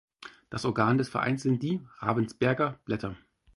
Das Organ des Vereins sind die "Ravensberger Blätter".